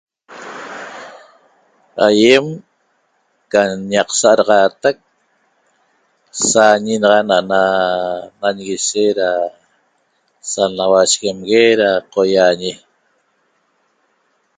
Aýem can ñaq sa'adaxaatac saañi naxa ana'ana nanguishe da sa nlauashiguemgue da ñqoýaañi